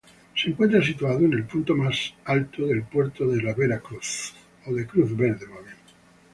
Se encuentra situado en el punto más alto del puerto de la Cruz Verde.